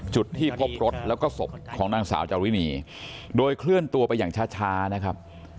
จุดที่พบรถแล้วก็ศพของนางสาวจารินีโดยเคลื่อนตัวไปอย่างช้านะครับ